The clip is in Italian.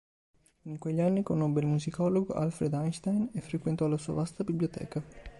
In quegli anni conobbe il musicologo Alfred Einstein e frequentò la sua vasta biblioteca.